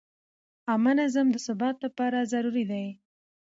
عامه نظم د ثبات لپاره ضروري دی.